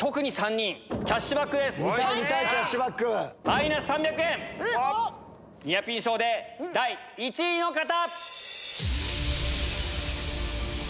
マイナス３００円ニアピン賞で第１位の方！